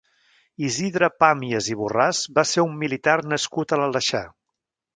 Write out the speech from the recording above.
Isidre Pàmies i Borràs va ser un militar nascut a l'Aleixar.